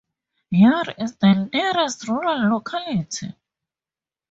Yar is the nearest rural locality.